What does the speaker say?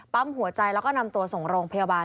หัวใจแล้วก็นำตัวส่งโรงพยาบาล